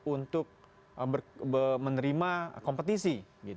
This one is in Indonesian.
untuk menerima kompetisi